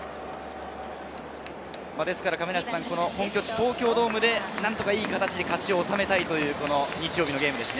本拠地・東京ドームで何とかいい形で勝ちを収めたい日曜日のゲームです。